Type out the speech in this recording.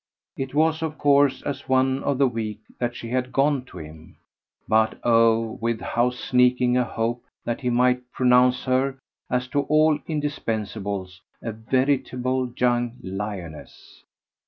It was of course as one of the weak that she had gone to him but oh with how sneaking a hope that he might pronounce her, as to all indispensables, a veritable young lioness!